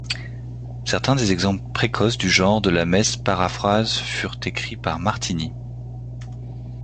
Certains des exemples précoces du genre de la messe paraphrase furent écrits par Martini.